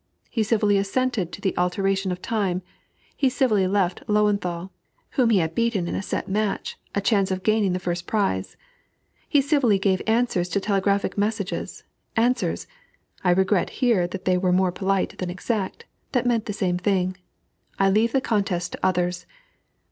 He civilly assented to the alteration of time he civilly left Löwenthal, whom he had beaten in a set match, a chance of gaining the first prize he civilly gave answers to telegraphic messages, answers I regret here that they were more polite than exact that meant the same thing, "I leave the contest to others."